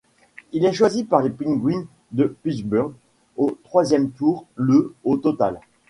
Il est choisi par les Penguins de Pittsburgh au troisième tour, le au total.